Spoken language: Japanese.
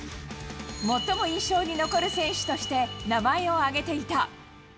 最も印象に残る選手として名前を挙げていた。